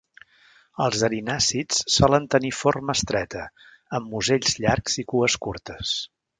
Els erinàcids solen tenir forma estreta, amb musells llargs i cues curtes.